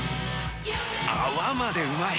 泡までうまい！